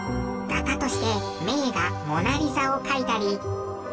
画家として名画『モナ・リザ』を描いたり。